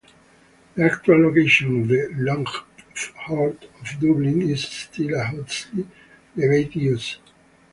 The actual location of the longphort of Dublin is still a hotly debated issue.